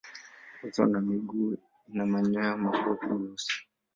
Uso na miguu ina manyoya mafupi meusi.